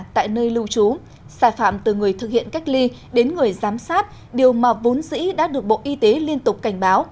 tại nơi lưu trú sai phạm từ người thực hiện cách ly đến người giám sát điều mà vốn dĩ đã được bộ y tế liên tục cảnh báo